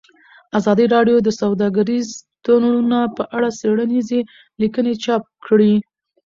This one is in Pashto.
ازادي راډیو د سوداګریز تړونونه په اړه څېړنیزې لیکنې چاپ کړي.